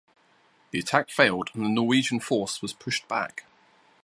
The attack failed and the Norwegian force was pushed back.